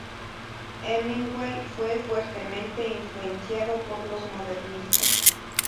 Hemingway fue fuertemente influenciado por los modernistas.